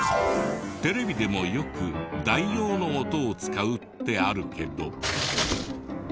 テレビでもよく代用の音を使うってあるけど。